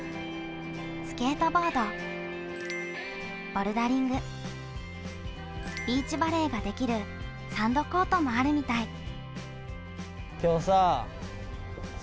スケートボード、ボルダリング、ビーチバレーができるサンドコートもあるみたい。